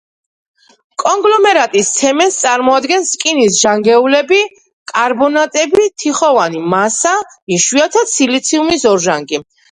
კონგლომერატის ცემენტს წარმოადგენს რკინის ჟანგეულები, კარბონატები, თიხოვანი მასა, იშვიათად სილიციუმის ორჟანგი.